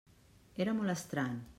Era molt estrany.